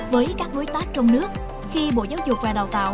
với các đối tác trong nước khi bộ giáo dục và đào tạo